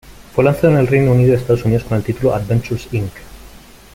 Fue lanzado en el Reino Unido y Estados Unidos con el título "Adventures Inc".